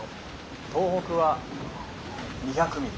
「東北は２００ミリ。